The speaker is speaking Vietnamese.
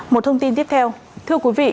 một thông tin tiếp theo thưa quý vị